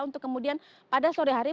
untuk kemudian pada sore hari